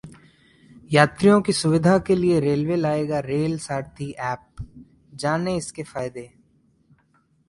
यात्रियों की सुविधा के लिए रेलवे लाएगा रेल सारथी ऐप, जानें इसके फायदे